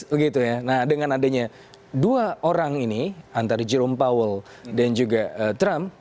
begitu ya nah dengan adanya dua orang ini antara jerome powell dan juga trump